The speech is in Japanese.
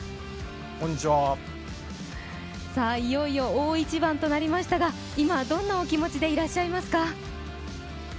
いよいよ大一番となりましたが、今、どんなお気持ちでいらっしゃいますか？